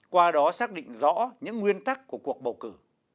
qua đó xác định rõ những nguyên tắc của cuộc bầu cử